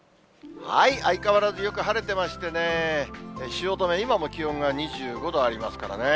相変わらずよく晴れてましてね、汐留、今も気温が２５度ありますからね。